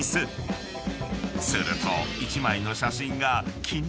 ［すると］